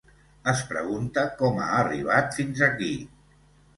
Es pregunta com ha arribat fins aquí.